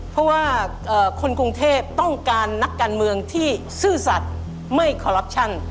เพราะว่าคนกรุงเทพต้องการนักการเมืองที่ซื่อสัตว์ไม่คอรัปชั่น